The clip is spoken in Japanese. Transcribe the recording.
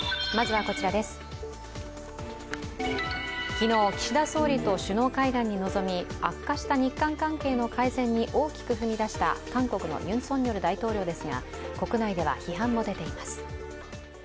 昨日、岸田総理と首脳会談に臨み悪化した日韓関係の改善に大きく踏み出した韓国のユン・ソンニョル大統領ですが、国内では批判も出ています。